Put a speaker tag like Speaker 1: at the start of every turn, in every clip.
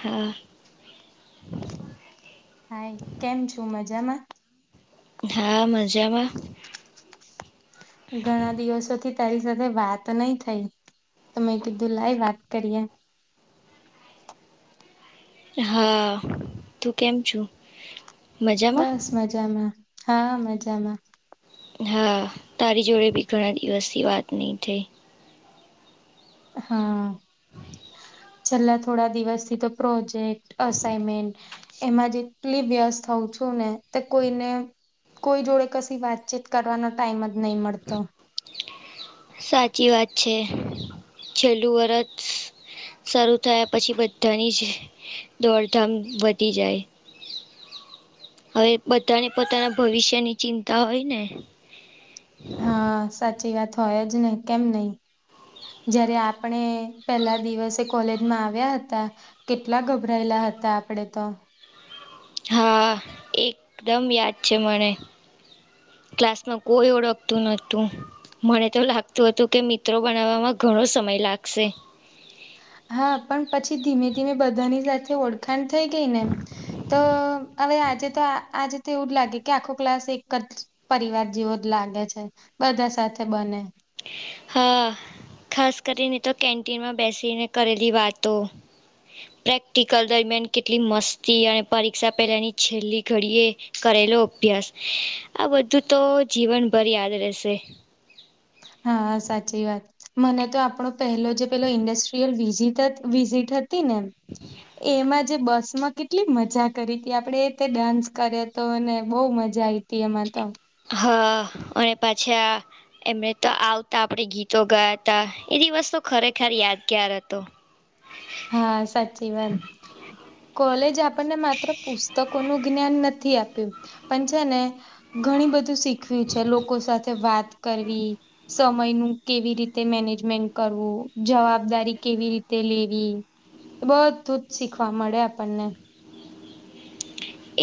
Speaker 1: હા.
Speaker 2: હાાઈ કેમ છું મજામાં
Speaker 1: હા મજામાં
Speaker 2: ઘણા દિવસોથી તારી સાથે વાત નહી થઈ ત મેમે કીધું લાઈ વાત કરીએ
Speaker 1: હા તું કેમ છુ
Speaker 2: બસ મજામાં હા મજામાં
Speaker 1: હા તારી જોડે બી ઘણા દિવસથી વાત નહીં થઈ
Speaker 2: હા. છેલ્લા થોડા દિવસથી તો પ્રોજેક્ટ અસાઈનમેન્ટ એમાં જેટલી વ્યસ્ થઉં છું ને તે કોઈને કોઈ જોડે કશી વાતચીત કરવાનો ટાઈમ જ નહી મળતો
Speaker 1: સાચી વાત છે છેલ્લું વર્ષ શરૂ થયા પછી બધાની જ દોડધામ વધી જાય હવે બધાને પોતાના ભવિષ્યની ચિંતા હોય ને
Speaker 2: હા સાચી વાત હોય જ ને કેમ નહી જયારે આપણે પેલા દિવસે કોલેજમાં આવ્યા હતા કેટલા ગભરાયેલા હતા આપડે તો
Speaker 1: હા એકદમ યાદ છે મને ક્લાસમાં કોઈ ઓળખતું નતું મને તો લાગતું હતું કે મિત્રો બનાવવામાં ઘણો સમય લાગશે
Speaker 2: હા પણ પછી ધીમે ધીમે બધાની સાથે ઓળખાણ થઈ ગઈ ને એમ તો હવે આજે તો આજે તો એવું જ લાગે કે આખો ક્લાસ એક જ પરિવાર જેવો જ લાગે છે બધા સાથે બને
Speaker 1: હા ખાસ કરીને તો કેન્ટીનમાં બેસીને કરેલી વાતો પ્રેક્ટિકલ દરમિયાન કેટલી મસ્તી અને પરીક્ષા પહેલાની છેલ્લી ઘડીએ કરેલો અભ્યાસ આ બધું તો જીવનભર યાદ રહેશે
Speaker 2: હા સાચી વાત મને તો આપણો પહેલો જે પેલો ઇન્ડસ્ટ્રીયલ વિઝટ વિઝિટ હતી નેમ એમાં જે બસ માં કેટલી મજા કરી હતી આપણે તે ડાન્સ કર્યો હતો અને બહુ મજા આ આવી તી એમાં તો
Speaker 1: હ અને પાછા એમણે તો આવતા આપણે ગીતો ગાતા એધ વસ્તુ ખરેખર યાદગાર હતો
Speaker 2: હા સાચી વાત કોલેજ આપણને માત્ર પુસ્તકોનું જ્ઞાન નથી આપ્યું પણ છે ને ઘણી બધું શીખવ્યું છે લોકો સાથે વાત કરવી સમય નું કેવી રીતે મેનેજમેન્ટ કરવું જવાબદારી કેવી રીતે લે બધું જ શીખવા મળે આપણને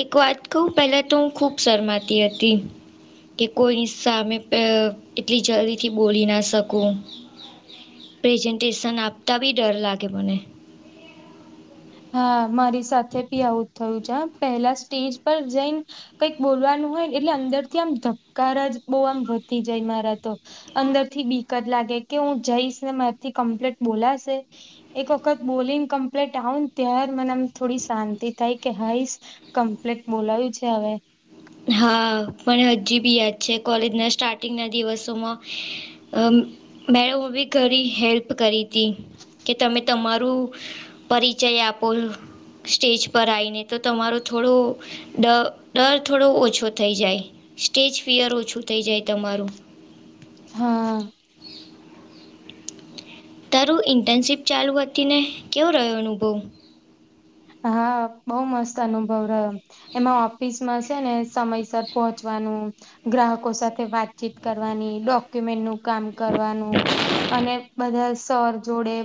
Speaker 1: એક વાત કહું પહેલા તો હું ખુબ શરમાતી હતી કે કોઈની સામે એટલી જલ્દીથી બોલી ના શકું પ્રેઝન્ટેશન આપતા બી ડર લાગે મને
Speaker 2: હા મારી સાથે ભી આવટ થયું છે પેલા સ્ટેજ પર જઈન કઈક બોલવાનું હોયને એટલે અંદર થી આમ ધક્કાર જ બહુ આમ વધી જાય મારા તો અંદર થી બીકત લાગે કે હું જઈશને મારીથી કમ્પ્લીટ બોલાશે. એક વખત બોલિંગ કમ્પ્લીટઉન ત્યારે મનેમ થોડી શાંતિ થાય કે હાઈસ કમ્પ્લેટ બોલાવયું છે હવે.
Speaker 1: હા પણ હજી બી યાદ છે કોલેજના સ્ટાર્ટિંગના દિવસોમાં મેડમ બી ઘણી હેલ્પ કરી હતી કે તમે તમારું પરિચય આપોલ સ્ટેજ પર આવીને તો તમારો થોડો ડ ડર થોડો ઓછો થઈ જાય સ્ટેજ ફિયર ઓછું થઈ જાય તમારું
Speaker 2: હા.
Speaker 1: તારું ઇન્ટર્નશીપ ચાલુ હતી ને કેવો રહ્યો અનુભવ
Speaker 2: હા બહુ મસ્ત અનુભવ રહ્યો એમાં ઓફિસમાં છે ને સમયસર પહોંચવાનું ગ્રાહકો સાથે વાતચીત કરવાની ડોક્યુમેન્ટ નું કામ કરવાનું અને બધા સર જોડે.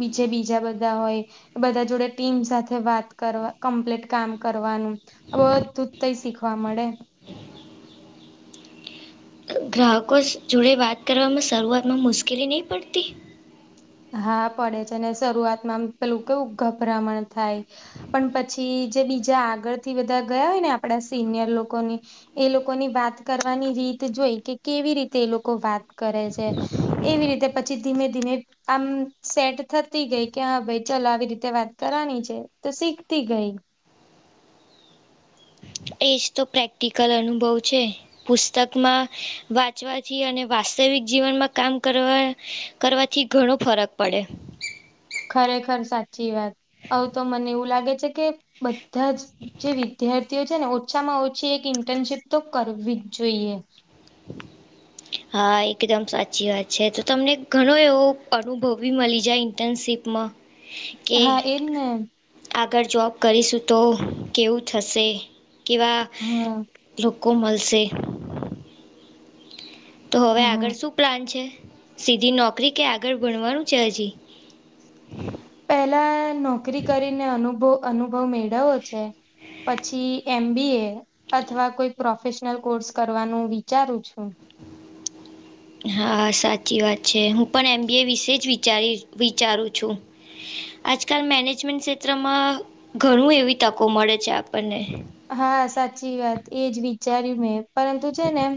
Speaker 2: બીચે બીજા બધા હોય બધા જોડે ટીમસ સાથે વાત કરવા કમ્પ્લીટ કામ કરવાનું બધું જ તય શીખવા મળડે
Speaker 1: ગ્રાહકો જોડે વાત કરવામાં શરૂઆતમાં મુશ્કેલી નહીં પડતી.
Speaker 2: હા પડે છે ને શરૂઆતમાંમ પેલું કેવું ગભરામણ થાય. પણ પછી જે બીજા આગળ થી બધા ગયા હોય ને આપણા સિનિયર લોકોની એ લોકો ની વાત કરવાની રીત જોઈ કે કેવી રીતે એ લોકો વાત કરે છે એવી રીતે પછી ધીમે ધીમે આમ સેટ થતી ગઈ કે હા ભાઈ ચાલ આવી રીતે વાત કરવાની છે તો શીખતી ગઈ
Speaker 1: એજ તો પ્રેક્ટિકલ અનુભવ છે. પુસ્તકમાં વાંચવાથી અને વાસ્તવિક જીવનમાં કામ કરવા કરવાથી ઘણો ફરક પડે
Speaker 2: ખરેખર સાચી વાત આવ તો મને એવું લાગે છે કે. બધા જ જે વિદ્યાર છે ને ઓછામાં ઓછી એક ઇન્ટર્નશીપ તો કરવી જ જોઈએ. [inaudible]
Speaker 1: હા એકદમ સાચી વાત છે તો તમને ઘણો એવો અનુભવ બી મળી જાય ઇન્ટર્નશીપમાં કે
Speaker 2: હા એને.
Speaker 1: આગળ જોબ કરીશું તો કેવું થશે કેવા
Speaker 2: હમ.
Speaker 1: લોકો મળશે. તો હવે
Speaker 2: હા
Speaker 1: આગળ શું પ્લાન છે સીધી નોકરી કે આગળ ભણવાનું છે હજી.
Speaker 2: પેલા નોકરી કરીને અનુભવ અનુભવ મેળવો છે પછી એમ બી અથવા કોઈ પ્રોફેશનલ કોર્સ કરવાનું વિચારું છું.
Speaker 1: હા સાચી વાત છે હું પણ એમ બી એ વિશે જ વિચારી વિચારું છું. આજકાલ મેનેજમેન્ટ ક્ષેત્રમાં ઘણું એવી તકો મળે છે આપણને
Speaker 2: હા સાચી વાત એજ વિચાર્યું મેં પરંતુ છે ને એમ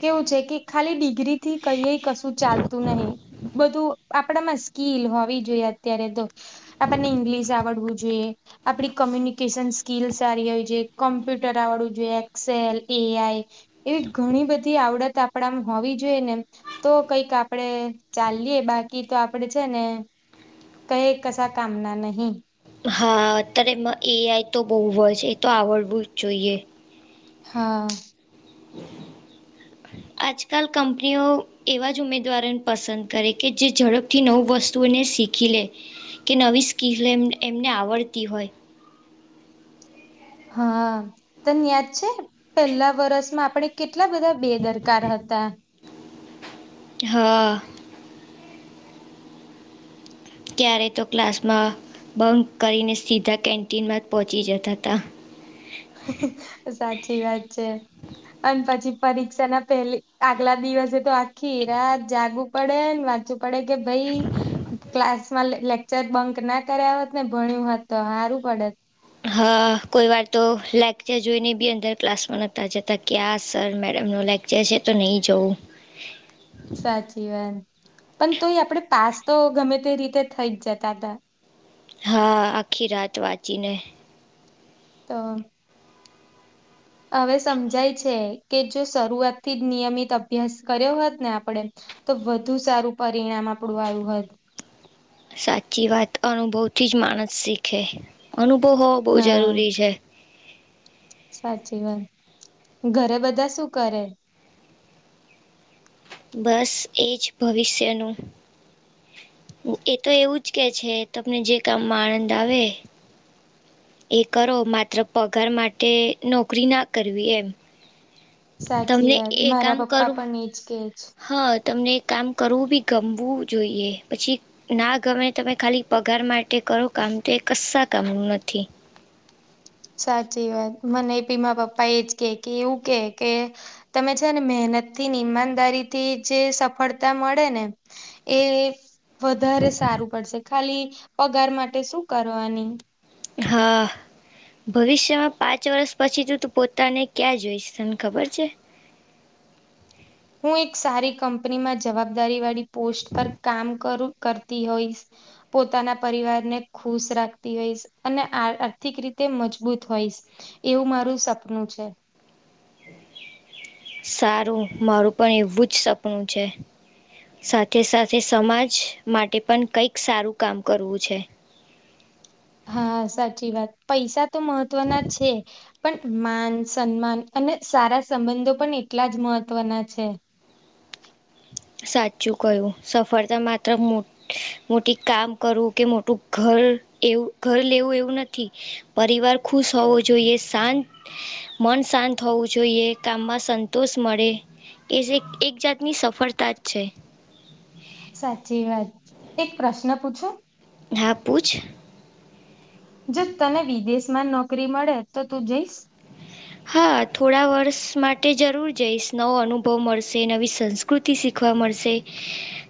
Speaker 2: કેવું છે કે. ખાલી ડિગ્રી થી કઈ કશું ચાલતું નહી બધું. આપડામાં સ્કીલ હોવી જોઈએ અત્યારે તો. આપણને ઇંગ્લિશ આવડવું જોઈએ આપડી કોમ્યુનિકેશન સ્કીલ સારી હોય છે. કોમ્પ્યુટર આવડવું જોઈએ એક્સેલ એઆઈ એવી ઘણી બધી આવડત આપણામ હોવી જોઈએ ને. તો કઈક આપડે ચાએ બાકી તો આપડે છે ને કઈ કસા કામના નહી.
Speaker 1: હા અત્યારે એ આઈ તો બહુ હોય છે એ તો આવડવું જ જોઈએ.
Speaker 2: હા. [inaudible]
Speaker 1: આજકાલ કંપનીઓ એવા જ ઉમેદવારોને પસંદ કરે કે જે ઝડપથી નવું વસ્તુઓને શીખ ખીલે કે નવી સ્કીલ એમ એમને આવડતી હોય
Speaker 2: હા તન યાદ છે પેલા વરસમાં આપડે કેટલા બધા બેદરકાર હતા.
Speaker 1: હા. ક્યારેય તો ક્લાસમાં બંધ કરીને સીધા કેન્ટીનમાં જ પહોંચી જતા તા.
Speaker 2: સાચી વાત છે. અને પછી પરીક્ષા ના પેલી આગલા દિવસે તો આખી રાત જાગું પડે ને વા ચુ પડે કે ભાઈ ક્લાસ માં લે લે ચર બંક ના કર્યા આવત ને ભણ્યું હોત તો હારું પડે.
Speaker 1: હા, કોઈ વાર તો લેક્ચર જોઈને બી અંદર ક્લાસમાં નહતા જતા ક આ સર મેડમનું લેક ચર છે તો નહી જવું.
Speaker 2: સાચી વાત પણ તોય આપડે પાસ તો ગમે તે રીતે થઈ જ જતા હતા.
Speaker 1: હા, આખી રાત વાંચીને.
Speaker 2: તો. હવે સમજાય છે કે જો શરૂઆત થી જ નિયમિત અભ્યાસ કર્યો હોત ને આપડે તો વધુ સારું પરિણામ આપડું આયું હોય.
Speaker 1: સાચી વાત અનુભવથી જ માણસ શીખે અનુભવ હોવો બહુ
Speaker 2: હા
Speaker 1: જરૂરી છે.
Speaker 2: સાચી વાત. ઘરે બધા શું કરે?
Speaker 1: બસ એ જ ભવિષ્યનું એ તો એવું જ કે છે તમને જે કામમાં આનંદ આવે એ કરો માત્ર પગાર માટે નોકરી ના કરવી એમ.
Speaker 2: સાચી
Speaker 1: તમને
Speaker 2: વાત
Speaker 1: એ કામ
Speaker 2: મારા પપ્પા
Speaker 1: કરું
Speaker 2: પણ એજ કેજ.
Speaker 1: હા, તમને કામ કરવું બી ગમવું જોઈએ પછી ના ગમે તમે ખાલી પગાર માટે કરો કામ તો એ કસ્સા કામનું નથી.
Speaker 2: સાચી વાત મને ભી મા પપ્પા એજ કે કે એવું કે કે તમે છે ને મહેનત થી ને ઈમાનદારીથી જે સફળતા મળે ને એ વધારે સારું પડશે ખાલી પગાર માટે શું કરવાની.
Speaker 1: હા. ભવિષ્યમાં પાંચ વર્ષ પછી તું તું પોતાને ક્યાં જોઈશ તને ખબર છે?
Speaker 2: હું એક સારી કંપનીમાં જવાબદારી વાળી પોસ્ટ પર કામ કરું કરતી હોઈશ પોતાના પરિવાર ને ખુશ રાખતી હોઈશ. અને આ આર્થિક રીતે મજબૂત હોઈશ એવું મારું સપનું છે.
Speaker 1: સારું મારું પણ એવું જ સપનું છે. સાથે સાથે સમાજ માટે પણ કંઈક સારું કામ કરવું છે.
Speaker 2: હા, સાચી વાત પૈસા તો મહત્વના છે પણ માન સન્માન અને સારા સંબંધો પણ એટલા જ મહત્વના છે.
Speaker 1: સાચું કયું સફળતા માત્ર મો મોટી કામ કરવું કે મોટું ઘર એવું ઘર લેવું એવું નથી પરિવાર ખુશ હોવો જોઈએ શાંત મન શાંત હોવું જોઈએ કામમાં સંતોષ મળે એ જે એક જાતની સ ફરતા જ છે.
Speaker 2: સાચી વાત. એક પ્રશ્ન પૂછું?
Speaker 1: હા, પૂછ.
Speaker 2: જો તને વિદેશમાં નોકરી મળે તો તું જઈશ?
Speaker 1: હા, થોડા વર્ષ માટે જરૂર જઈશ નવો અનુભવ મળશે નવી સંસ કૃતિ શીખવા મળશે.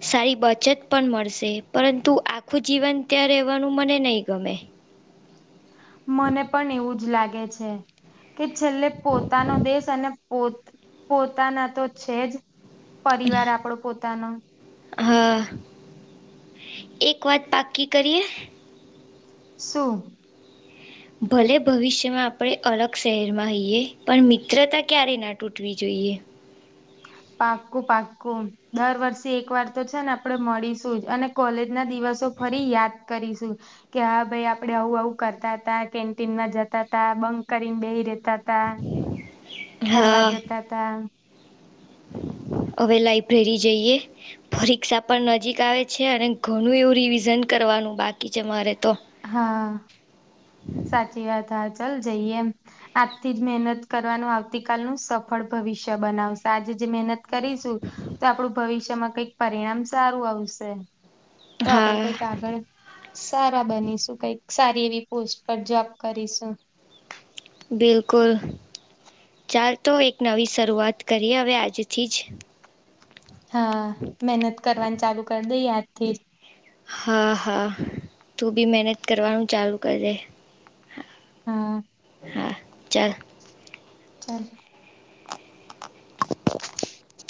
Speaker 1: સારી બચત પણ મળશે પરંતુ આખું જીવન ત્યાં રહેવાનું મને નહીં ગમે.
Speaker 2: મને પણ એવું જ લાગે છે. કે છેલ્લે પોતાનો દેશ અને પોત પોતાના તો છે જ પરિવાર આપડો પોતાનો.
Speaker 1: હા, એક વાત પાકી કરીએ?
Speaker 2: શું?
Speaker 1: ભલે ભવિષ્યમાં આપણે અલગ શહેરમાં હઈયએ પણ મિત્રતા ક્યારે ના તૂટવી જોઈએ
Speaker 2: પાક્કું પાક્કું દર વર્ષે એક વાર તો છે ને આપડે મળીશું જ અને કોલેજ ના દિવસો ફરી યાદ કરીશું. કે હા ભાઈ આપડે આવું આવું કરતા તા કેન્ટીન ના જતા તા બંક કરીન બેહી રેતા તા ફરવા
Speaker 1: હા
Speaker 2: જતા હતા.
Speaker 1: હવે લાઇબ્રેરી જઈએ. પરીક્ષા પણ નજીક આવે છે અને ઘણું એવું રિવિઝન કરવાનું બાકી છે મારે તો.
Speaker 2: હા સાચી વાત હા ચાલ જઈએમ આજથી જ મહેનત કરવાનું આવતીકાલનું સફળ ભવિષ્ય બનાવશે આજે જે મહેનત કરીશું તો આપડુ ભવિષ્યમાં કંઈક પરિણામ સારું આવશે તો આપડે
Speaker 1: હા
Speaker 2: કઈક આગળ સારા બની શું કઈક સારી એવી પોસ્ટ પર જોબ કરીશું
Speaker 1: બિલકુલ ચાલ તો એક નવી શરૂઆત કરીએ હવે આજે થી જ
Speaker 2: હા મહેનત કરવાની ચાલુ કરી દઈ આજથી જ
Speaker 1: હા હા તું બી મહેનત કરવાનું ચાલુ કરદે
Speaker 2: હા
Speaker 1: હા ચાલ
Speaker 2: ચાલ [inaudible]